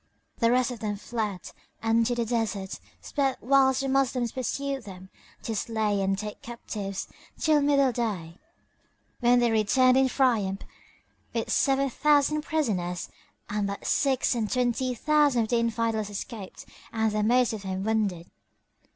The rest fled and to the deserts sped whilst the Moslems pursued them to slay and take captives till middle day, when they returned in triumph with seven thousand prisoners; and but six and twenty thousand of the Infidels escaped and the most of them wounded.